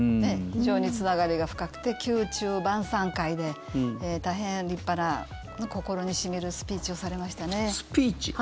非常につながりが深くて宮中晩さん会で、大変立派な心に染みるスピーチをされましたね。